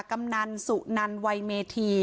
กำนันสุนันวัยเมธี